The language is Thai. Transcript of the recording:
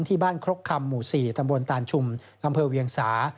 ที่บ้านครกคำหมู่๔ตำบลตานชุมกเวียงสา